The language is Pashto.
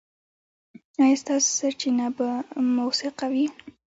ایا ستاسو سرچینه به موثقه وي؟